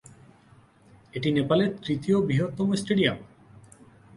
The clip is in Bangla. এটি নেপালের তৃতীয় বৃহত্তম স্টেডিয়াম।